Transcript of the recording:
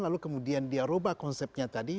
lalu kemudian dia ubah konsepnya tadi